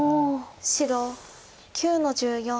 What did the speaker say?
白９の十四。